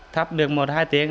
thấp được một hai tiếng